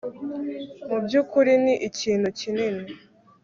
Mu byukuri ni ikintu kinini